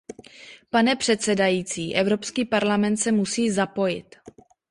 Pane předsedající, Evropský parlament se musí zapojit.